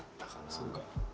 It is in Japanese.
そうか。